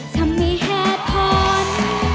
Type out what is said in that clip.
ถ้ามีเหตุผล